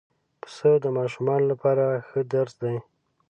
پسه د ماشومانو لپاره ښه درس دی.